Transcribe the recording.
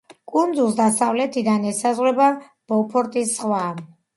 კუნძულს დასავლეთიდან ესაზღვრება ბოფორტის ზღვა.